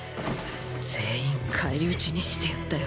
全員返り討ちにしてやったよ。